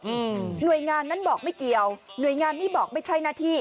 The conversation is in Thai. อืมหน่วยงานนั้นบอกไม่เกี่ยวหน่วยงานนี้บอกไม่ใช่หน้าที่